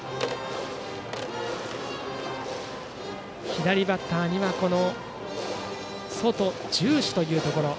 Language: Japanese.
左バッターには外重視というところ。